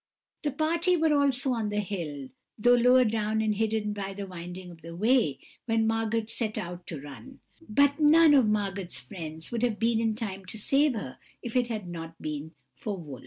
"This party were also on the hill, though lower down and hidden by the winding of the way, when Margot set out to run; but none of Margot's friends would have been in time to save her, if it had not been for Wolf.